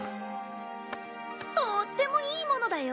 とーってもいいものだよ。